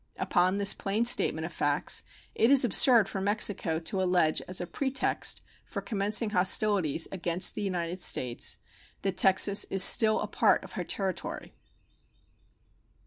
Upon this plain statement of facts, it is absurd for Mexico to allege as a pretext for commencing hostilities against the United States that Texas is still a part of her territory.